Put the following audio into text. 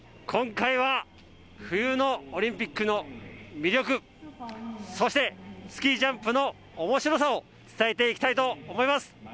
今回は、冬のオリンピックの魅力、そしてスキージャンプの面白さを伝えていきたいと思います